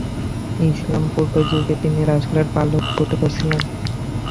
ইসলাম পূর্ব যুগে তিনি রাসূলের পালক পুত্র ছিলেন।